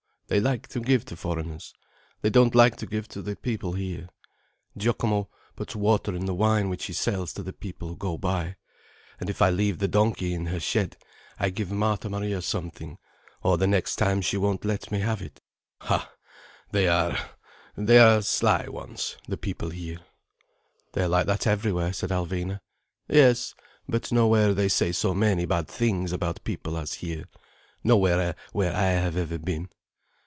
They like to give to foreigners. They don't like to give to the people here. Giocomo puts water in the wine which he sells to the people who go by. And if I leave the donkey in her shed, I give Marta Maria something, or the next time she won't let me have it. Ha, they are—they are sly ones, the people here." "They are like that everywhere," said Alvina. "Yes. But nowhere they say so many bad things about people as here—nowhere where I have ever been."